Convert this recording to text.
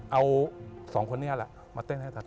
เอา๒คนนี้แหละมาเต้นให้ตัด